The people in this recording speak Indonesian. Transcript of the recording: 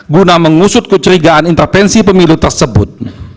guna mengusut kecurigaan intervensi pemilu tersebut